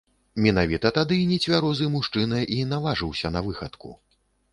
Менавіта тады нецвярозы мужчына і наважыўся на выхадку.